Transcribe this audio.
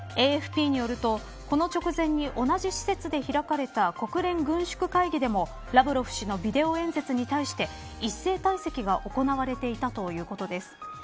ＡＦＰによると、この直前に同じ施設で開かれた国連軍縮会議でもラブロフ氏のビデオ演説に対して一斉退席が行われていたということです。